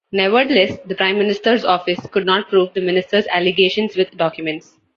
Nevertheless, the Prime Minister's Office could not prove the minister's allegations with documents.